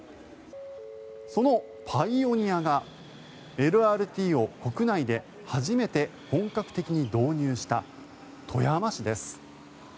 そのパイオニアがＬＲＴを国内で初めて本格的に導入した富山市です。